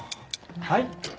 はい。